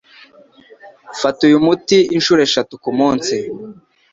Fata uyu muti inshuro eshatu kumunsi.